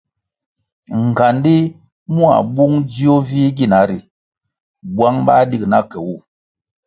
Ngandi mua bung dzio vih gina ri bwang bah dig na ke wu.